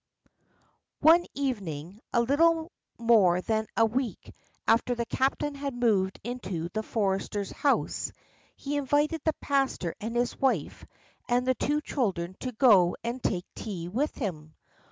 One evening, a little more than a week after the captain had moved into the forester's house, he invited the pastor and his wife and the two children to go and take tea with him.